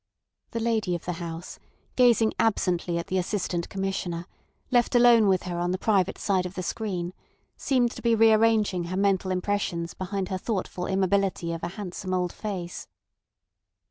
The lady of the house, gazing absently at the Assistant Commissioner, left alone with her on the private side of the screen, seemed to be rearranging her mental impressions behind her thoughtful immobility of a handsome old face.